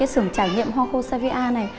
sưởng trải nghiệm hoa khô xe vi a này